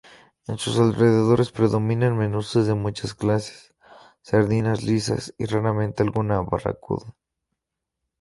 En sus alrededores predominan medusas de muchas clases, sardinas, lisas y raramente alguna barracuda.